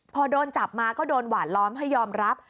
พอโดนจับมาก็โดนหวานล้อมให้ยอมรับ